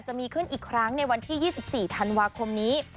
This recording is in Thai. จะมีขึ้นอีกครั้งในวันที่๒๔ธันวาคมนี้